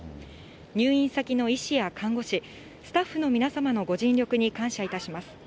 入院先の医師や看護師、スタッフの皆様のご尽力に感謝いたします。